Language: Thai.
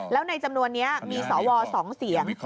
แล้วในจำนวนนี้มีสว๒เสียง